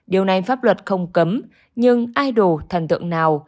điều này pháp luật không cấm nhưng idol thần tượng nào